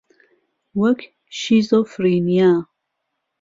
وەک شیزۆفرینیا